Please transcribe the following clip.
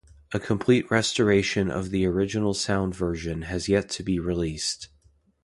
A complete restoration of the original sound version has yet to be released.